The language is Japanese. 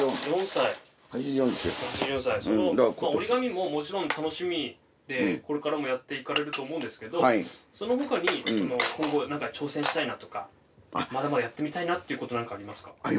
そのおりがみももちろん楽しみでこれからもやっていかれると思うんですけどその他に今後なんか挑戦したいなとかまだまだやってみたいなっていうことなんかありますか？